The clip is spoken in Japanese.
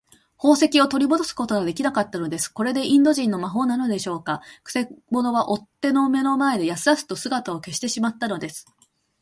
宝石をとりもどすこともできなかったのです。これがインド人の魔法なのでしょうか。くせ者は追っ手の目の前で、やすやすと姿を消してしまったのです。